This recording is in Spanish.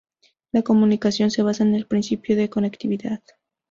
La comunicación se basa en el principio de conectividad.